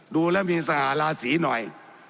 ดูแล้วมีสหาราศีหน่อย